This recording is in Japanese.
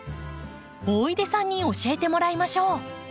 大出さんに教えてもらいましょう。